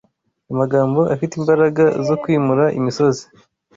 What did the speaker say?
Amagambo afite imbaraga zo kwimura imisozi